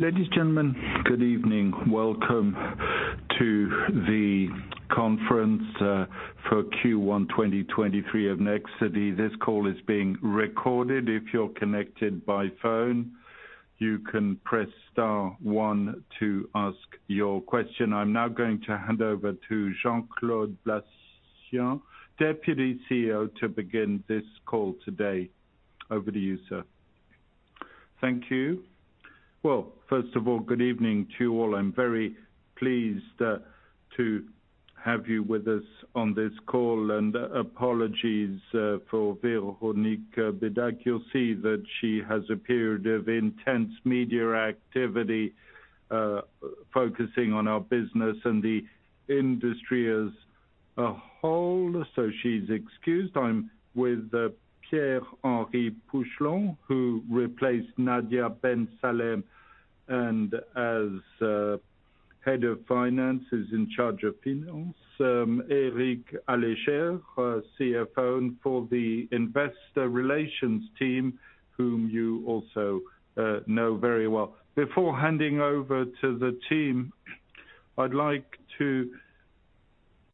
Ladies and gentlemen, good evening. Welcome to the conference for Q1 2023 of Nexity. This call is being recorded. If you're connected by phone, you can press star one to ask your question. I'm now going to hand over to Jean-Claude Bassien, Deputy CEO, to begin this call today. Over to you, sir. Thank you. Well, first of all, good evening to you all. I'm very pleased to have you with us on this call, and apologies for Véronique Bédague. You'll see that she has a period of intense media activity, focusing on our business and the industry as a whole, so she's excused. I'm with Pierre-Henry Pouchelon, who replaced Nadia Ben Salem-Nicolas, and as head of finance is in charge of finance. Éric Lalechère, our CFO, and for the investor relations team, whom you also know very well. Before handing over to the team, I'd like to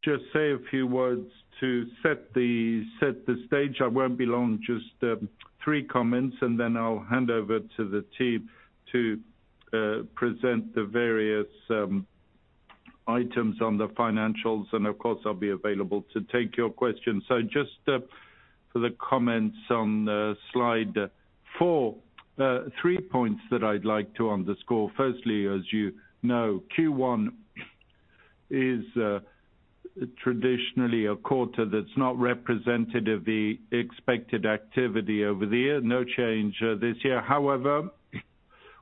just say a few words to set the stage. I won't be long, just three comments, and then I'll hand over to the team to present the various items on the financials. Of course, I'll be available to take your questions. Just, for the comments on Slide 4, three points that I'd like to underscore. Firstly, as you know, Q1 is traditionally a quarter that's not representative of the expected activity over the year. No change this year. However,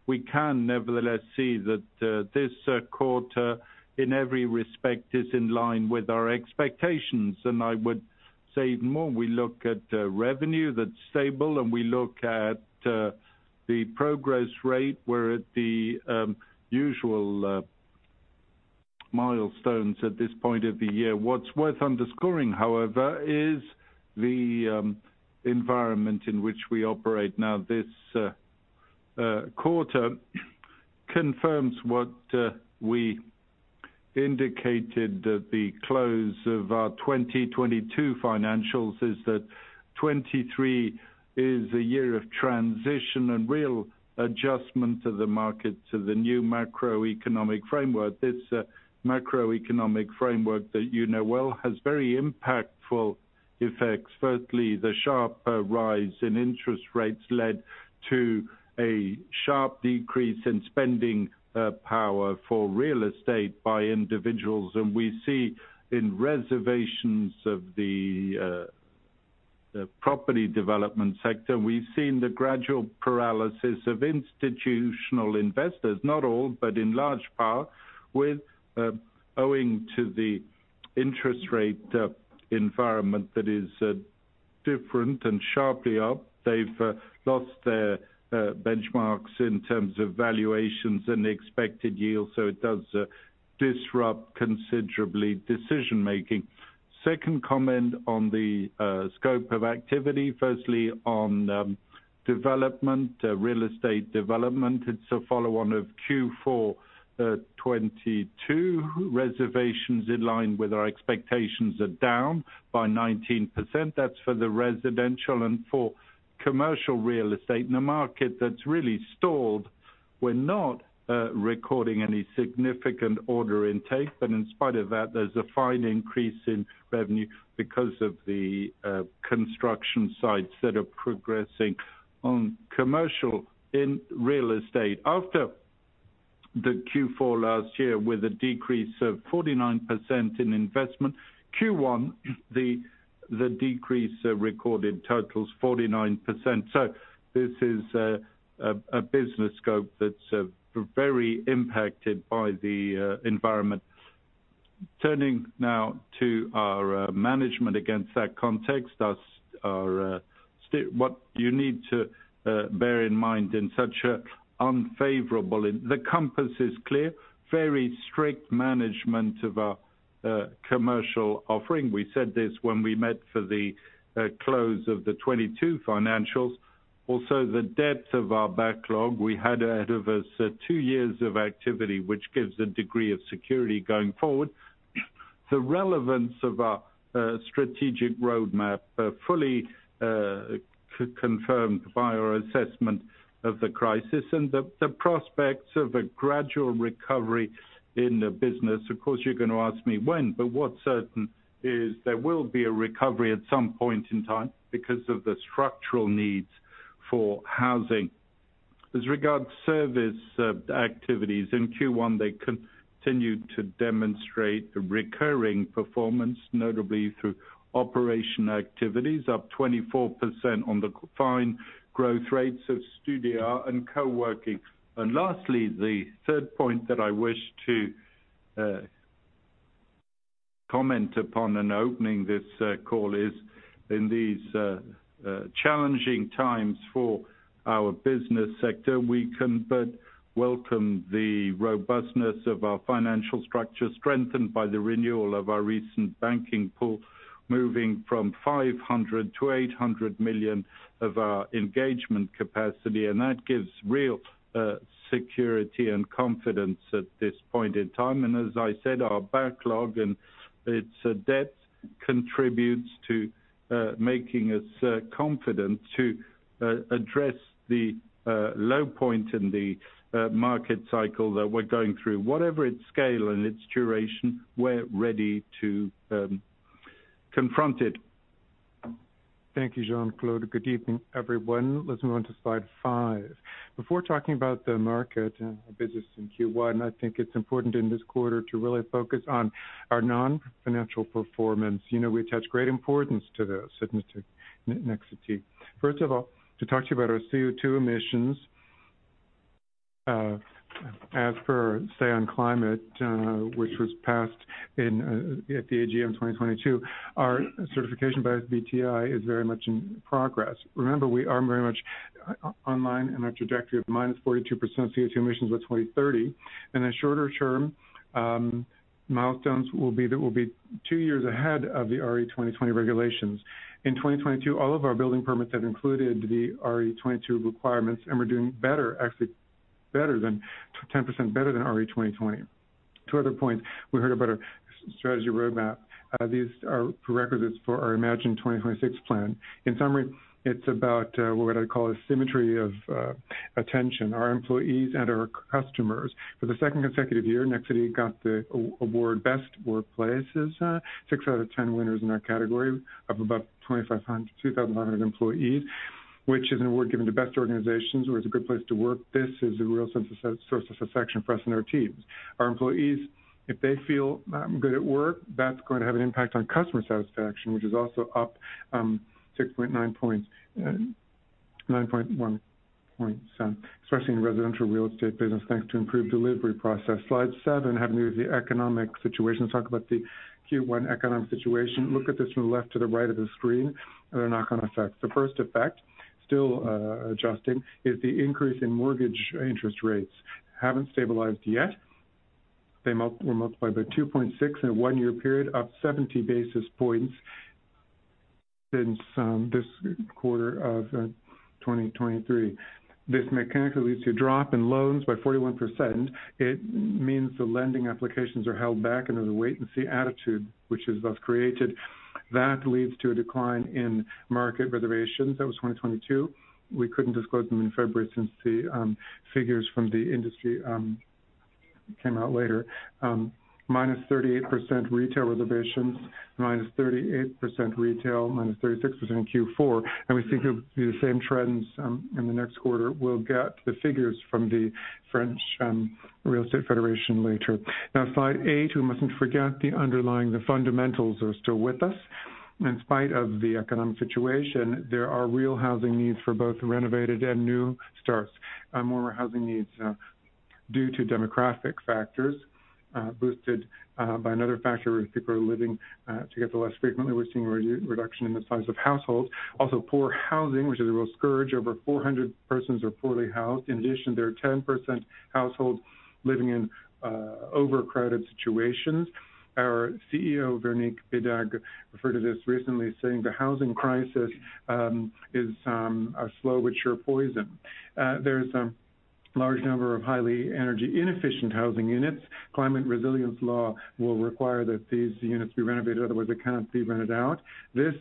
we can nevertheless see that this quarter, in every respect is in line with our expectations. I would say even more, we look at revenue that's stable, and we look at the progress rate. We're at the usual milestones at this point of the year. What's worth underscoring, however, is the environment in which we operate. Now, this quarter confirms what we indicated at the close of our 2022 financials, is that 2023 is a year of transition and real adjustment to the market, to the new macroeconomic framework. This macroeconomic framework that you know well has very impactful effects. Firstly, the sharp rise in interest rates led to a sharp decrease in spending power for real estate by individuals. We see in reservations of the property development sector, we've seen the gradual paralysis of institutional investors. Not all, but in large part with owing to the interest rate environment that is different and sharply up. They've lost their benchmarks in terms of valuations and expected yield, so it does disrupt considerably decision-making. Second comment on the scope of activity. Firstly on development, real estate development. It's a follow-on of Q4 2022. Reservations in line with our expectations are down by 19%. That's for the residential and for commercial real estate in a market that's really stalled. We're not recording any significant order intake. In spite of that, there's a fine increase in revenue because of the construction sites that are progressing on commercial and real estate. After the Q4 last year with a decrease of 49% in investment, Q1, the decrease recorded totals 49%. This is a business scope that's very impacted by the environment. Turning now to our management against that context, as our what you need to bear in mind in such a unfavorable. The compass is clear. Very strict management of our commercial offering. We said this when we met for the close of the 22 financials. The depth of our backlog. We had ahead of us two years of activity, which gives a degree of security going forward. The relevance of our strategic roadmap fully confirmed by our assessment of the crisis and the prospects of a gradual recovery in the business. Of course, you're gonna ask me when? What's certain is there will be a recovery at some point in time because of the structural needs for housing. As regards service activities, in Q1 they continued to demonstrate recurring performance, notably through operation activities up 24% on the fine growth rates of Studéa and coworking. Lastly, the third point that I wish to comment upon in opening this call is in these challenging times for our business sector, we can but welcome the robustness of our financial structure, strengthened by the renewal of our recent banking pool, moving from 500 million to 800 million of our engagement capacity, that gives real security and confidence at this point in time. As I said, our backlog and its debt contributes to making us confident to address the low point in the market cycle that we're going through. Whatever its scale and its duration, we're ready to confront it. Thank you, Jean-Claude. Good evening, everyone. Let's move on to Slide 5. Before talking about the market and our business in Q1, I think it's important in this quarter to really focus on our non-financial performance. You know, we attach great importance to this at Nexity. First of all, to talk to you about our CO2 emissions, as per Say on Climate, which was passed in at the AGM 2022, our certification by SBTi is very much in progress. Remember, we are very much online in our trajectory of -42% CO2 emissions by 2030. In the shorter term, milestones will be two years ahead of the RE2020 regulations. In 2022, all of our building permits have included the RE2020 requirements, and we're doing better, actually better than, 10% better than RE2020. Two other points. We heard about our strategy roadmap. These are prerequisites for our Imagine 2026 plan. In summary, it's about what I call a symmetry of attention, our employees and our customers. For the second consecutive year, Nexity got the award Best Workplaces, 6/10 winners in our category of about 2,500, 2,000 employees, which is an award given to best organizations where it's a good place to work. This is a real source of satisfaction for us and our teams. Our employees, if they feel good at work, that's going to have an impact on customer satisfaction, which is also up 6.9 points, 9.1 points, especially in residential real estate business, thanks to improved delivery process. Slide 7 have moved the economic situation. Let's talk about the Q1 economic situation. Look at this from left to the right of the screen and the knock-on effect. The first effect, still adjusting, is the increase in mortgage interest rates. Haven't stabilized yet. They were multiplied by 2.6 in a one-year period, up 70 basis points since this quarter of 2023. This mechanically leads to a drop in loans by 41%. It means the lending applications are held back under the wait and see attitude, which is thus created. That leads to a decline in market reservations. That was 2022. We couldn't disclose them in February since the figures from the industry came out later. Minus 38% retail reservations, minus 38% retail, minus 36% in Q4, and we think it'll be the same trends in the next quarter. We'll get the figures from the French Real Estate Federation later. Slide 8, we mustn't forget the underlying, the fundamentals are still with us. In spite of the economic situation, there are real housing needs for both renovated and new starts, more housing needs due to demographic factors, boosted by another factor, people are living together less frequently. We're seeing a re-reduction in the size of households. Poor housing, which is a real scourge. Over 400 persons are poorly housed. There are 10% households living in overcrowded situations. Our CEO, Véronique Bédague, referred to this recently, saying the housing crisis is a slow but sure poison. There's a large number of highly energy-inefficient housing units. Climate and Resilience Law will require that these units be renovated, otherwise they cannot be rented out. This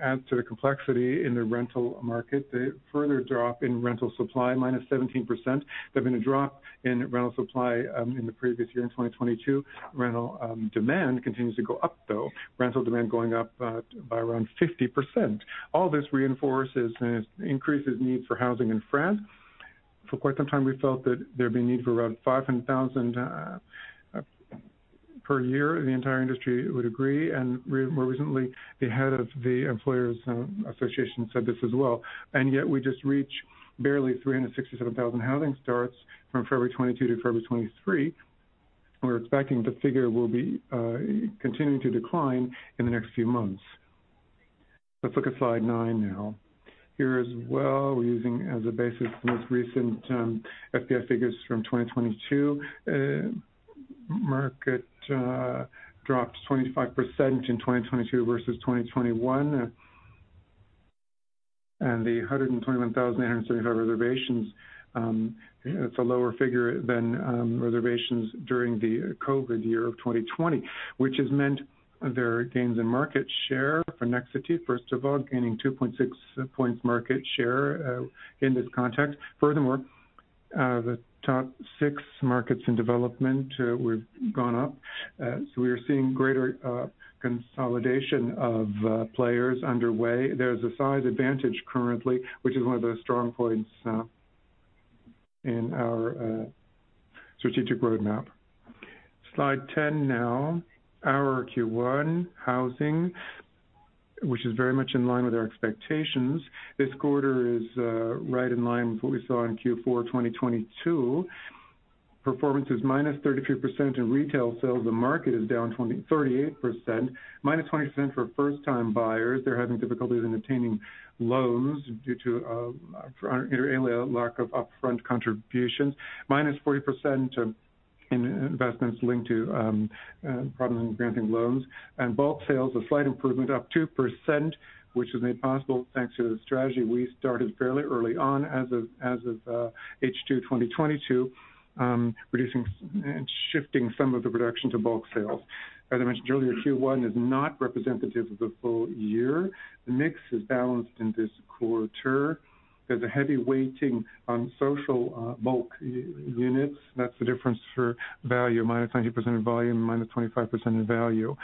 adds to the complexity in the rental market. The further drop in rental supply, minus 17%. There's been a drop in rental supply in the previous year, in 2022. Rental demand continues to go up, though. Rental demand going up by around 50%. All this reinforces and increases need for housing in France. For quite some time, we felt that there'd be need for around 500,000 per year. The entire industry would agree. More recently, the head of the Employers Association said this as well. Yet we just reach barely 367,000 housing starts from February 2022 to February 2023. We're expecting the figure will be continuing to decline in the next few months. Let's look at Slide 9 now. Here as well, we're using as a basis most recent FDS figures from 2022. Market dropped 25% in 2022 versus 2021. The 121,875 reservations, it's a lower figure than reservations during the COVID year of 2020. Which has meant there are gains in market share for Nexity. First of all, gaining 2.6 points market share in this context. Furthermore, the top six markets in development, we've gone up. We are seeing greater consolidation of players underway. There's a size advantage currently, which is one of the strong points in our strategic roadmap. Slide ten now. Our Q1 housing. Which is very much in line with our expectations. This quarter is right in line with what we saw in Q4 2022. Performance is -33% in retail sales. The market is down 38%. -20% for first time buyers. They're having difficulties in obtaining loans due to inter alia, lack of upfront contributions. -40% in investments linked to problems in granting loans. Bulk sales, a slight improvement, up 2%, which was made possible thanks to the strategy we started fairly early on as of H2 2022, reducing and shifting some of the production to bulk sales. As I mentioned earlier, Q1 is not representative of the full year. The mix is balanced in this quarter. There's a heavy weighting on social, bulk units. That's the difference for value, -20% in volume, -25% in value.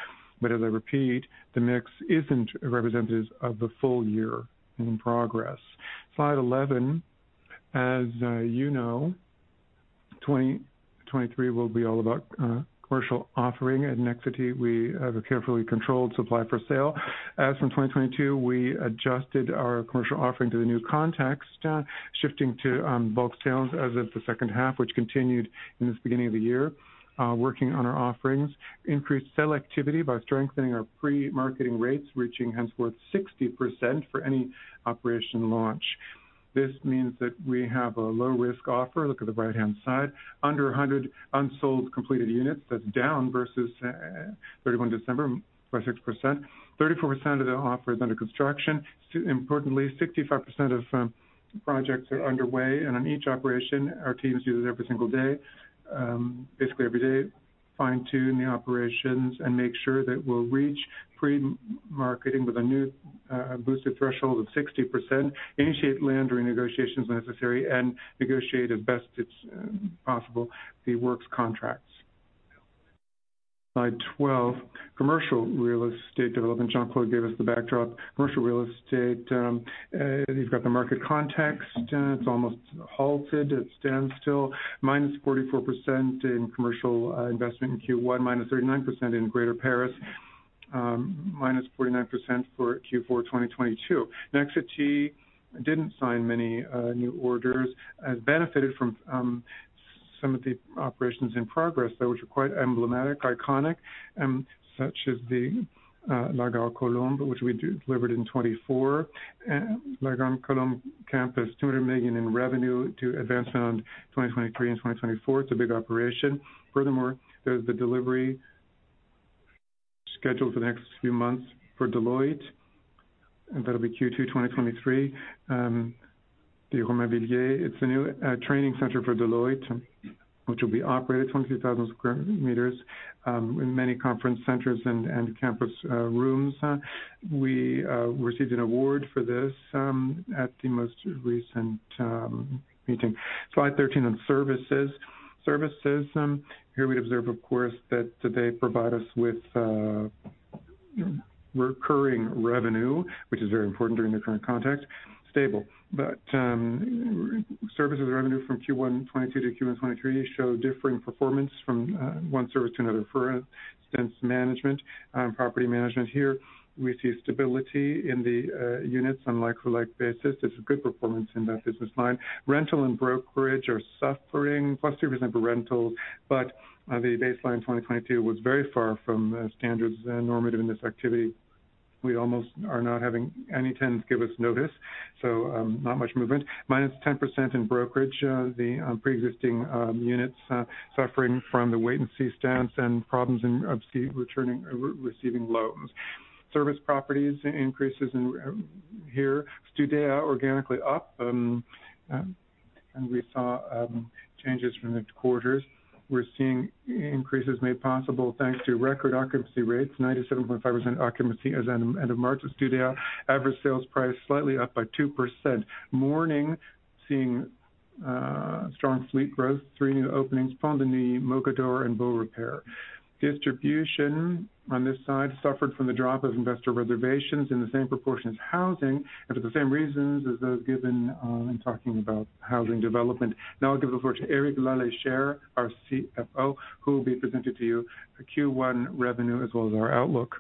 As I repeat, the mix isn't representative of the full year in progress. Slide 11. As you know, 2023 will be all about commercial offering. At Nexity, we have a carefully controlled supply for sale. As from 2022, we adjusted our commercial offering to the new context, shifting to bulk sales as of the second half, which continued in this beginning of the year, working on our offerings. Increased sell activity by strengthening our pre-marketing rates, reaching henceforth 60% for any operation launch. This means that we have a low risk offer. Look at the right-hand side. Under 100 unsold completed units. That's down versus 31 December by 6%. 34% of the offer is under construction. Importantly, 65% of projects are underway, and on each operation, our teams do this every single day, basically every day, fine-tune the operations and make sure that we'll reach pre-marketing with a new, boosted threshold of 60%, initiate land renegotiations necessary, and negotiate as best it's possible the works contracts. Slide 12, commercial real estate development. Jean-Claude gave us the backdrop. Commercial real estate, you've got the market context. It's almost halted. It stands still. Minus 44% in commercial investment in Q1, minus 39% in Greater Paris, minus 49% for Q4 2022. Nexity didn't sign many new orders, has benefited from some of the operations in progress, though, which are quite emblematic, iconic, such as the La Garenne-Colombes, which we do deliver it in 2024. La Garenne-Colombes campus, 200 million in revenue to advance around 2023 and 2024. It's a big operation. There's the delivery scheduled for the next few months for Deloitte. That'll be Q2, 2023. The Bailly-Romainvilliers. It's a new training center for Deloitte, which will be operated 22,000 square meters, in many conference centers and campus rooms. We received an award for this at the most recent meeting. Slide 13 on services. Services, here we observe, of course, that they provide us with recurring revenue, which is very important during the current context. Stable. Services revenue from Q1, 2022 to Q1, 2023 show differing performance from one service to another. For instance, management, property management here, we see stability in the units on like-for-like basis. It's a good performance in that business line. Rental and brokerage are suffering, +3% for rental, the baseline in 2022 was very far from standards and normative in this activity. We almost are not having any tenants give us notice, not much movement. -10% in brokerage, the pre-existing units suffering from the wait and see stance and problems in receiving loans. Service properties increases in here. Studéa organically up, we saw changes from the quarters. We're seeing increases made possible thanks to record occupancy rates, 97.5% occupancy as at end of March of Studéa. Average sales price slightly up by 2%. Morning seeing strong fleet growth, three new openings, Fontenay, Mogador and Beaurepaire. Distribution on this side suffered from the drop of investor reservations in the same proportion as housing and for the same reasons as those given in talking about housing development. I'll give the floor to Eric Lalechère, our CFO, who will be presenting to you the Q1 revenue as well as our outlook.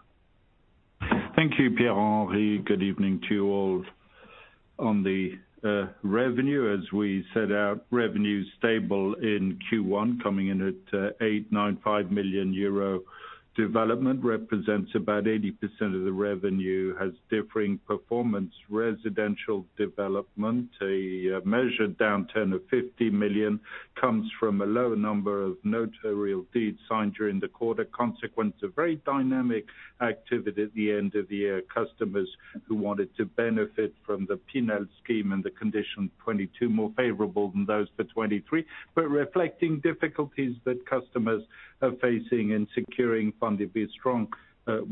Thank you, Pierre-Henri. Good evening to you all. On the revenue, as we set out, revenue is stable in Q1, coming in at 895 million euro. Development represents about 80% of the revenue, has differing performance. Residential development, a measured downturn of 50 million comes from a lower number of notarial deeds signed during the quarter, consequence of very dynamic activity at the end of the year. Customers who wanted to benefit from the Pinel scheme and the condition 22 more favorable than those for 23, but reflecting difficulties that customers are facing in securing funding will be a strong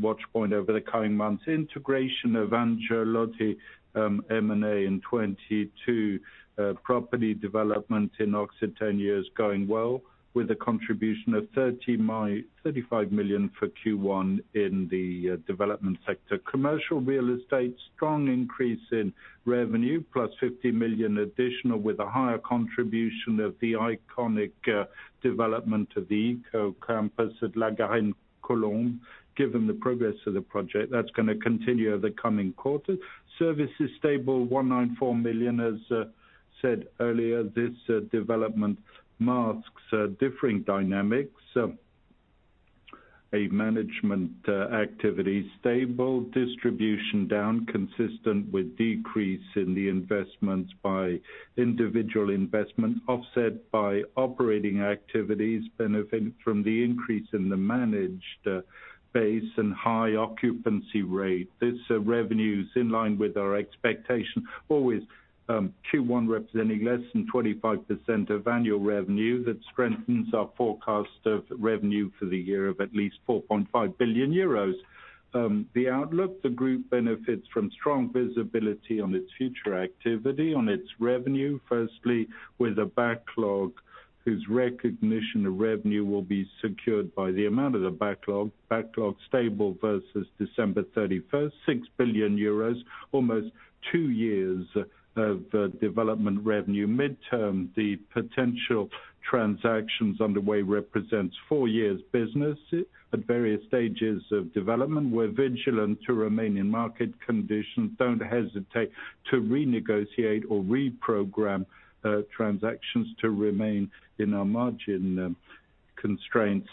watch point over the coming months. Integration of Angelotti, M&A in 2022. Property development in Occitania is going well, with a contribution of 35 million for Q1 in the development sector. Commercial real estate, strong increase in revenue, plus 50 million additional with a higher contribution of the iconic development of the éco-campus at La Garenne-Colombes, given the progress of the project. That's gonna continue over the coming quarters. Services stable, 194 million. As said earlier, this development masks differing dynamics, a management activity. Stable distribution down consistent with decrease in the investments by individual investment, offset by operating activities, benefit from the increase in the managed base and high occupancy rate. These revenues in line with our expectation. Always, Q1 representing less than 25% of annual revenue. That strengthens our forecast of revenue for the year of at least 4.5 billion euros. The outlook, the group benefits from strong visibility on its future activity, on its revenue. Firstly, with a backlog whose recognition of revenue will be secured by the amount of the backlog. Backlog stable versus December 31st, 6 billion euros, almost two years of development revenue. Midterm, the potential transactions underway represents four years business at various stages of development. We're vigilant to remain in market conditions, don't hesitate to renegotiate or reprogram transactions to remain in our margin constraints.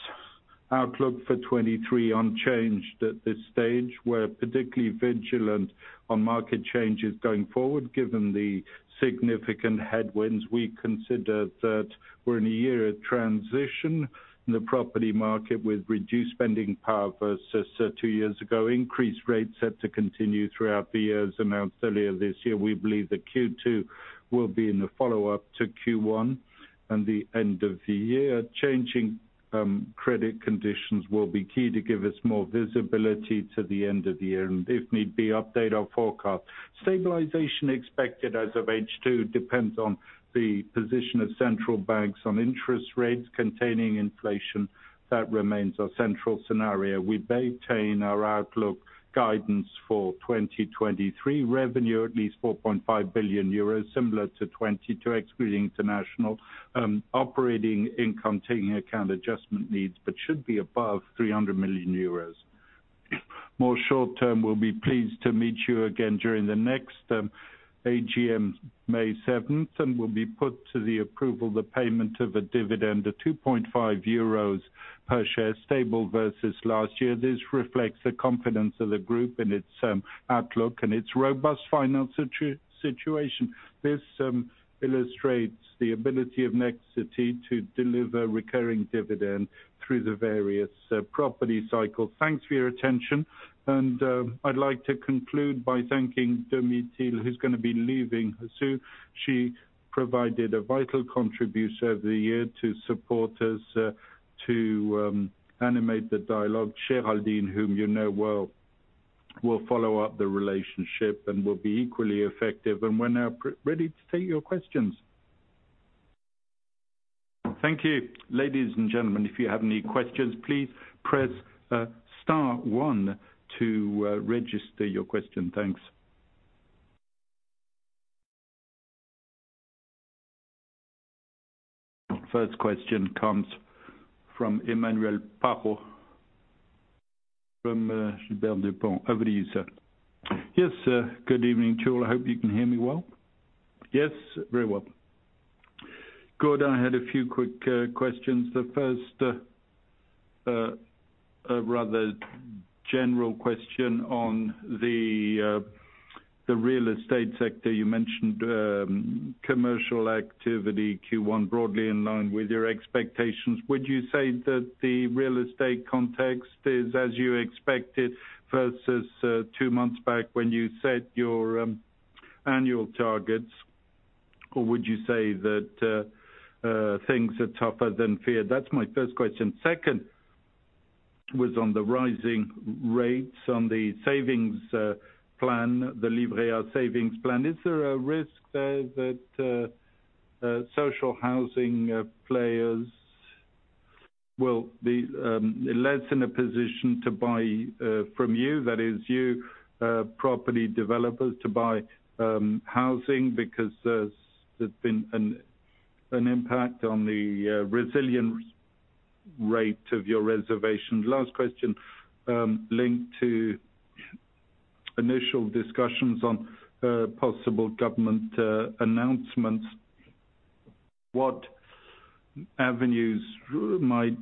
Outlook for 2023 unchanged at this stage. We're particularly vigilant on market changes going forward, given the significant headwinds. We consider that we're in a year of transition in the property market with reduced spending power versus two years ago. Increased rates set to continue throughout the years announced earlier this year. We believe that Q2 will be in the follow-up to Q1 and the end of the year. Changing credit conditions will be key to give us more visibility to the end of the year and if need be, update our forecast. Stabilization expected as of H2 depends on the position of central banks on interest rates containing inflation. That remains our central scenario. We maintain our outlook guidance for 2023 revenue at least 4.5 billion euros, similar to 2022, excluding international operating income, taking account adjustment needs, but should be above 300 million euros. More short-term, we'll be pleased to meet you again during the next AGM, May 7th, and will be put to the approval the payment of a dividend of 2.5 euros per share, stable versus last year. This reflects the confidence of the group in its outlook and its robust financial situation. This illustrates the ability of Nexity to deliver recurring dividend through the various property cycles. Thanks for your attention. I'd like to conclude by thanking Domitille, who's gonna be leaving us soon. She provided a vital contribution over the year to support us, to animate the dialogue. Géraldine, whom you know well, will follow up the relationship and will be equally effective. We're now ready to take your questions. Thank you. Ladies and gentlemen, if you have any questions, please press star one to register your question. Thanks. First question comes from Emmanuel Parot from Gilbert Dupont. Over to you, sir. Yes, good evening to all. I hope you can hear me well. Yes, very well. Good. I had a few quick questions. The first, rather general question on the real estate sector. You mentioned commercial activity, Q1, broadly in line with your expectations. Would you say that the real estate context is as you expected versus two months back when you set your annual targets? Would you say that things are tougher than feared? That's my first question. Second, was on the rising rates on the savings plan, the Livret savings plan. Is there a risk there that social housing players will be less in a position to buy from you, that is you, property developers to buy housing because there's been an impact on the resilience rate of your reservations. Last question, linked to initial discussions on possible government announcements. What avenues might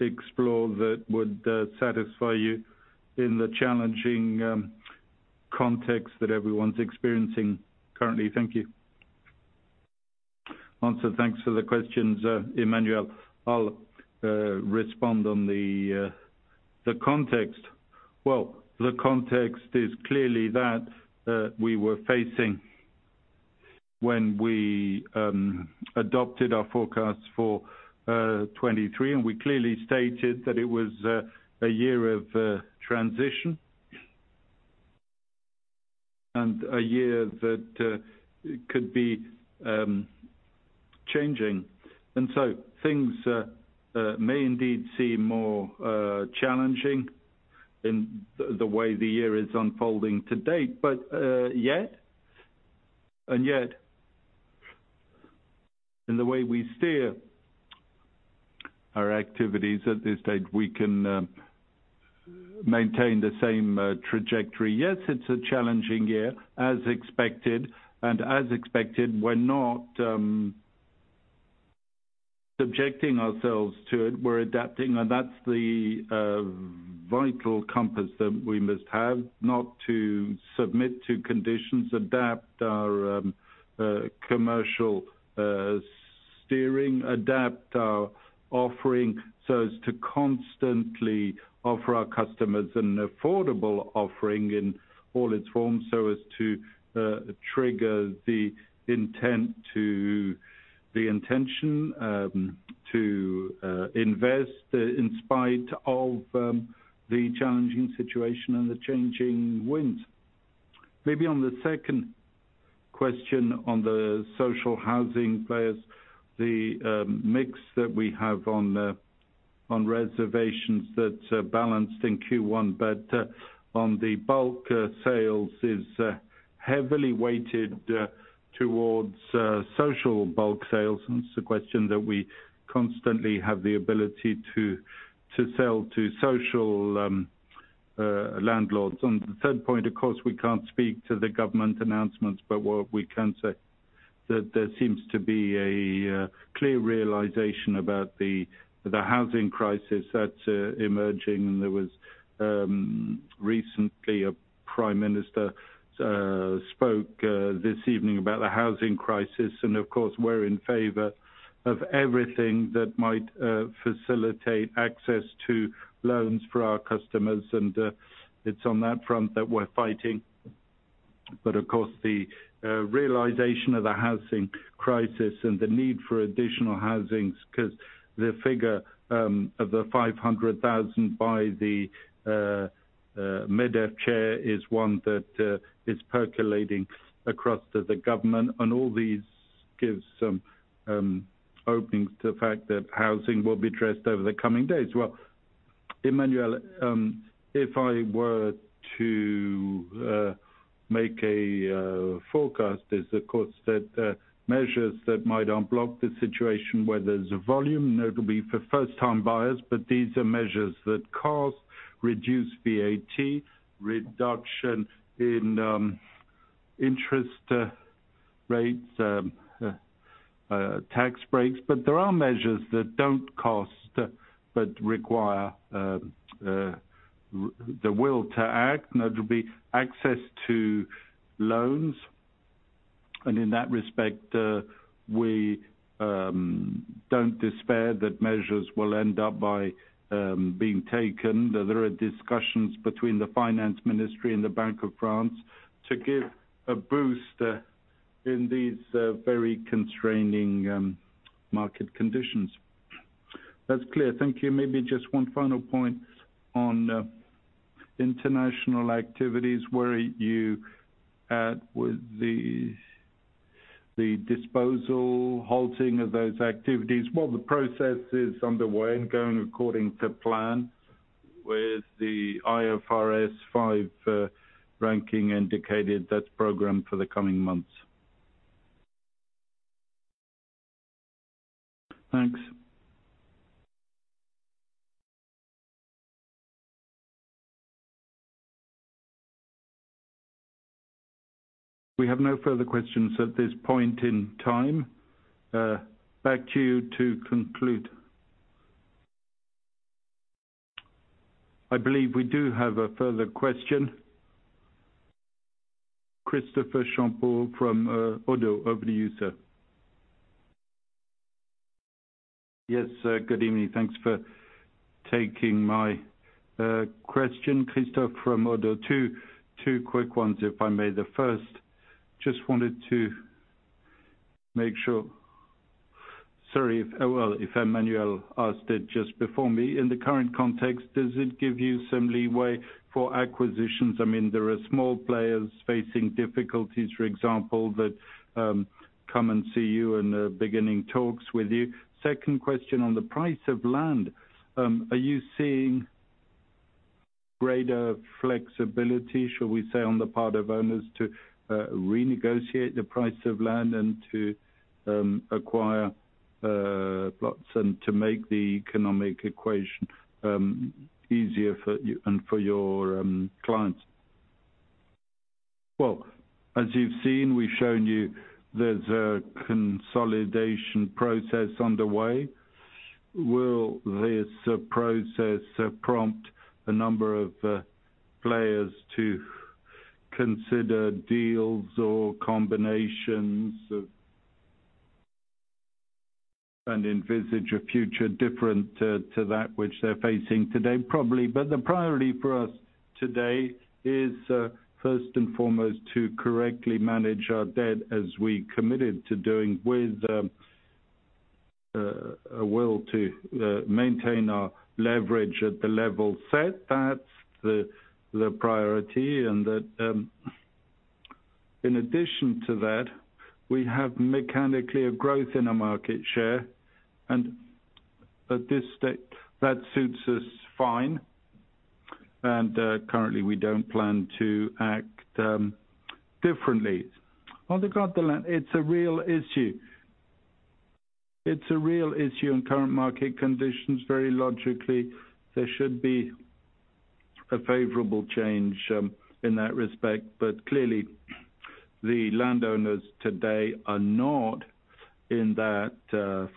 explore that would satisfy you in the challenging context that everyone's experiencing currently? Thank you. Answer. Thanks for the questions, Emmanuel. I'll respond on the context. Well, the context is clearly that we were facing when we adopted our forecast for 2023, and we clearly stated that it was a year of transition. A year that could be changing. Things may indeed seem more challenging in the way the year is unfolding to date. Yet, and yet, in the way we steer our activities at this stage, we can maintain the same trajectory. Yes, it's a challenging year, as expected. As expected, we're not subjecting ourselves to it, we're adapting, and that's the vital compass that we must have, not to submit to conditions, adapt our commercial steering, adapt our offering so as to constantly offer our customers an affordable offering in all its forms so as to trigger the intention to invest in spite of the challenging situation and the changing winds. Maybe on the second question on the social housing players, the mix that we have on reservations that balanced in Q1, but on the bulk sales is heavily weighted towards social bulk sales. It's a question that we constantly have the ability to sell to social landlords. On the third point, of course, we can't speak to the government announcements, but what we can say that there seems to be a clear realization about the housing crisis that's emerging. There was recently a prime minister spoke this evening about the housing crisis. Of course, we're in favor of everything that might facilitate access to loans for our customers. It's on that front that we're fighting. Of course, the realization of the housing crisis and the need for additional housings, 'cause the figure of the 500,000 by the Medef chair is one that is percolating across to the government. All these gives some openings to the fact that housing will be addressed over the coming days. Well, Emmanuel, if I were to make a forecast, is of course, that the measures that might unblock the situation where there's volume that will be for first-time buyers, but these are measures that cost, reduce VAT, reduction in interest rates, tax breaks. There are measures that don't cost, but require the will to act, and that will be access to loans. In that respect, we don't despair that measures will end up by being taken. There are discussions between the finance ministry and the Bank of France to give a boost in these very constraining market conditions. That's clear. Thank you. Maybe just one final point on international activities. Where are you at with the disposal, halting of those activities? Well, the process is underway and going according to plan with the IFRS 5 ranking indicated. That's programmed for the coming months. Thanks. We have no further questions at this point in time. Back to you to conclude. I believe we do have a further question. Christopher Kemper from ODDO. Over to you, sir. Good evening. Thanks for taking my question. Christopher from ODDO. Two quick ones, if I may. The first, just wanted to make sure, sorry if, well, if Emmanuel asked it just before me. In the current context, does it give you some leeway for acquisitions? I mean, there are small players facing difficulties, for example, that come and see you and are beginning talks with you. Second question on the price of land. Are you seeing greater flexibility, shall we say, on the part of owners to renegotiate the price of land and to acquire plots and to make the economic equation easier for your clients? Well, as you've seen, we've shown you there's a consolidation process underway. Will this process prompt a number of players to consider deals or combinations of. Envisage a future different to that which they're facing today? Probably. The priority for us today is first and foremost, to correctly manage our debt as we committed to doing with a will to maintain our leverage at the level set. That's the priority. In addition to that, we have mechanically a growth in our market share. At this state, that suits us fine. Currently we don't plan to act differently. On the ground, the land, it's a real issue. It's a real issue in current market conditions. Very logically, there should be a favorable change in that respect. Clearly the landowners today are not in that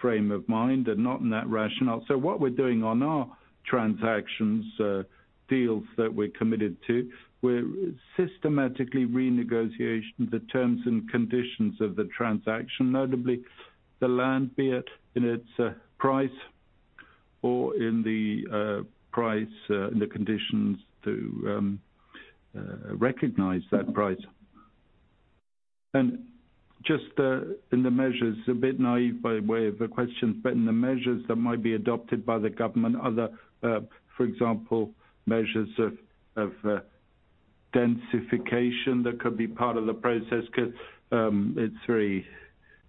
frame of mind. They're not in that rationale. What we're doing on our transactions, deals that we're committed to, we're systematically renegotiating the terms and conditions of the transaction, notably the land, be it in its price or in the price in the conditions to recognize that price. Just in the measures, a bit naive by way of the questions, but in the measures that might be adopted by the government, other, for example, measures of densification that could be part of the process, 'cause it's very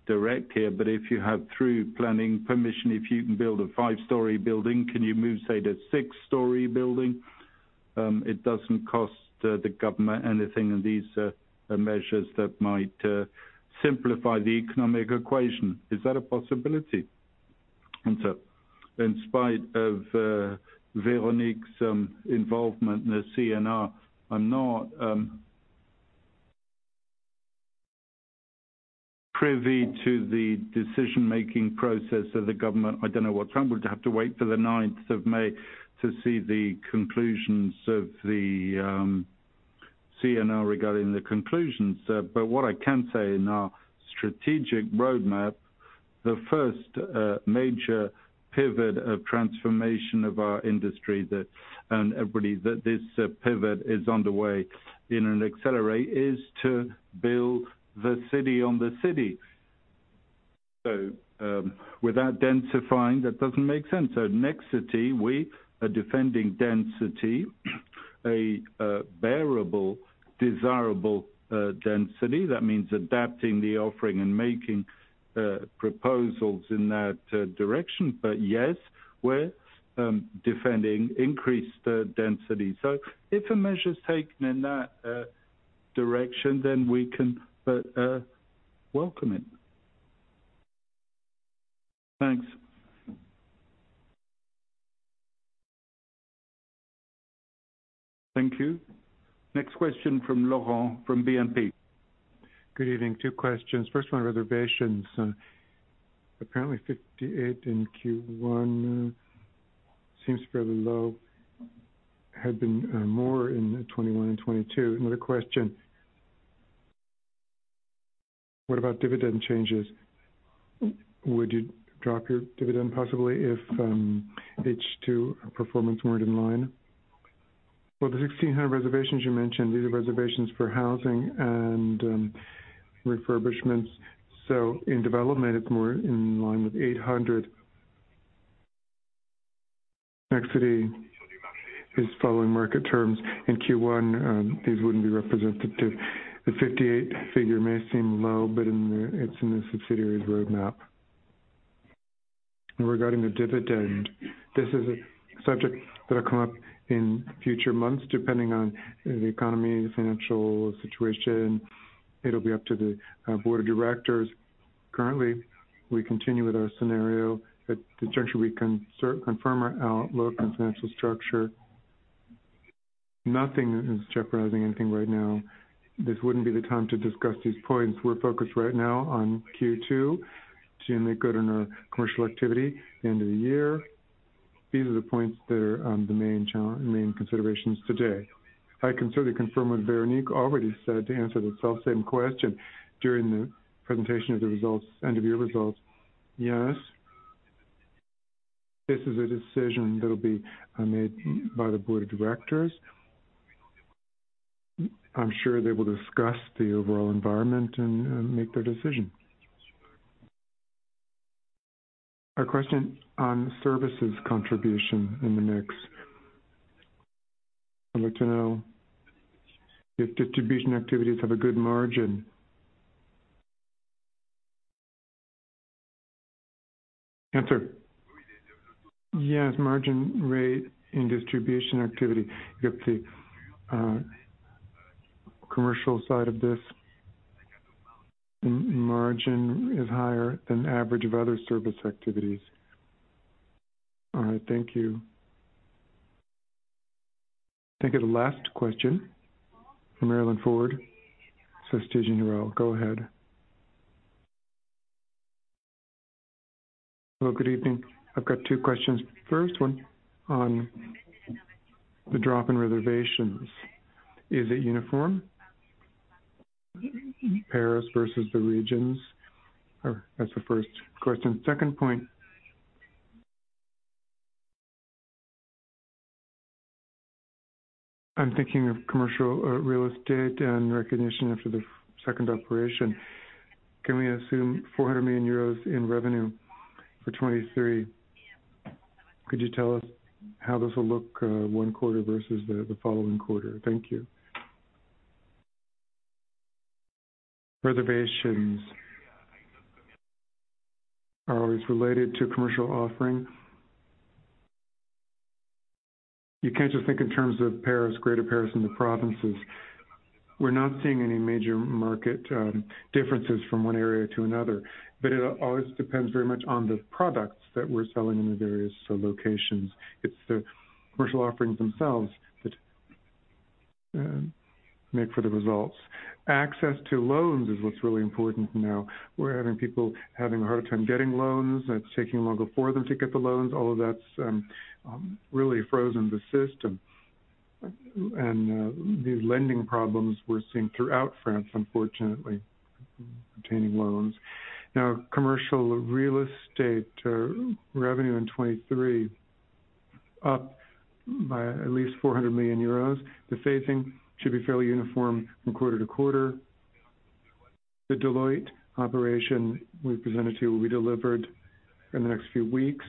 direct here. If you have through planning permission, if you can build a five-story building, can you move, say, to six-story building? It doesn't cost the government anything in these measures that might simplify the economic equation. Is that a possibility? Answer. In spite of Véronique's involvement in the CNR, I'm not privy to the decision-making process of the government. I don't know what Trump would have to wait for the ninth of May to see the conclusions of the CNR regarding the conclusions. What I can say in our strategic roadmap, the first major pivot of transformation of our industry that, and everybody that this pivot is underway in an accelerate, is to build the city on the city. Without densifying, that doesn't make sense. At Nexity, we are defending density, a, bearable, desirable, density. That means adapting the offering and making proposals in that direction. Yes, we're defending increased density. If a measure is taken in that direction, then we can welcome it. Thanks. Thank you. Next question from Laurent, from BNP. Good evening. Two questions. First one, reservations. Apparently 58 in Q1 seems fairly low. Had been more in 2021 and 2022. Another question, what about dividend changes? Would you drop your dividend possibly if H2 performance weren't in line? The 1,600 reservations you mentioned, these are reservations for housing and refurbishments. In development, it's more in line with 800. Nexity is following market terms. In Q1, these wouldn't be representative. The 58 figure may seem low, but it's in the subsidiaries roadmap. Regarding the dividend, this is a subject that'll come up in future months, depending on the economy, financial situation. It'll be up to the Board of Directors. Currently, we continue with our scenario. At the juncture, we can confirm our outlook and financial structure. Nothing is jeopardizing anything right now. This wouldn't be the time to discuss these points. We're focused right now on Q2 to make good on our commercial activity end of the year. These are the points that are the main considerations today. I can certainly confirm what Véronique already said to answer the selfsame question during the presentation of the results, end of year results. Yes. This is a decision that'll be made by the board of directors. I'm sure they will discuss the overall environment and make their decision. A question on services contribution in the mix. I'd like to know if distribution activities have a good margin. Answer. Yes, margin rate in distribution activity. You have the commercial side of this, and margin is higher than average of other service activities. All right, thank you. I think the last question from Marilyn Ford, Société Générale. Go ahead. Hello, good evening. I've got two questions. First one on the drop in reservations. Is it uniform? Paris versus the regions? That's the first question. Second point. I'm thinking of commercial real estate and recognition after the second operation. Can we assume 400 million euros in revenue for 23? Could you tell us how this will look, one quarter versus the following quarter? Thank you. Reservations are always related to commercial offering. You can't just think in terms of Paris, Greater Paris, and the provinces. We're not seeing any major market differences from one area to another, but it always depends very much on the products that we're selling in the various locations. It's the commercial offerings themselves that make for the results. Access to loans is what's really important now. We're having people having a hard time getting loans. It's taking longer for them to get the loans. All of that's really frozen the system. These lending problems we're seeing throughout France, unfortunately, obtaining loans. Now, commercial real estate revenue in 23 up by at least 400 million euros. The phasing should be fairly uniform from quarter-to-quarter. The Deloitte operation we presented to you will be delivered in the next few weeks.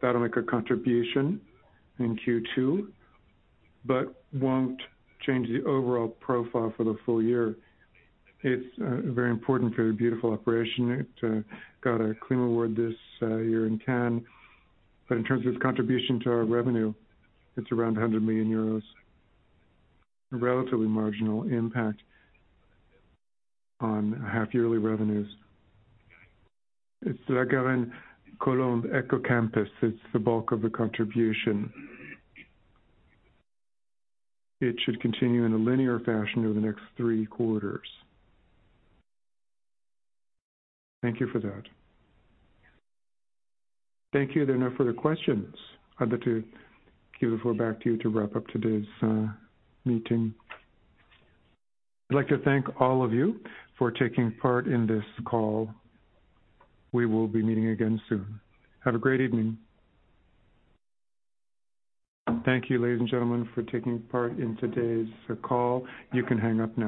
That'll make a contribution in Q2, but won't change the overall profile for the full year. It's very important for the beautiful operation. It got a clean award this year in Cannes, but in terms of contribution to our revenue, it's around 100 million euros. A relatively marginal impact on half yearly revenues. It's La Garenne-Colombes éco-campus is the bulk of the contribution. It should continue in a linear fashion over the next three quarters. Thank you for that. Thank you. There are no further questions. I'd like to give the floor back to you to wrap up today's meeting. I'd like to thank all of you for taking part in this call. We will be meeting again soon. Have a great evening. Thank you, ladies and gentlemen, for taking part in today's call. You can hang up now.